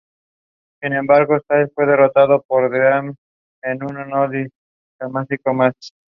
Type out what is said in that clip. Sin embargo, Styles fue derrotado por Dreamer en un No Disqualification Match.